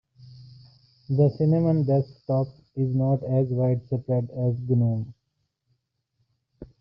The cinnamon desktop is not as widespread as gnome.